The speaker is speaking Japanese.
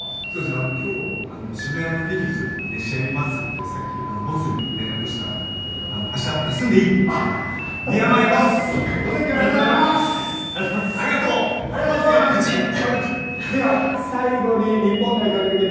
今日、渋谷で試合を見ますってさっきボスに連絡したら明日、休んでいいって。